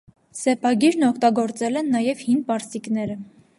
Սեպագիրն օգտագործել են նաև հին պարսիկները։